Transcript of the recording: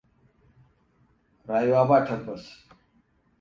Rayuwa ba tabbas.